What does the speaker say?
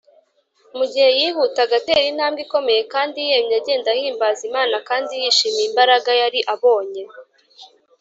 Mu gihe yihutaga atera intambwe ikomeye kandi yemye, agenda ahimbaza Imana kandi yishimiye imbaraga yari abonye,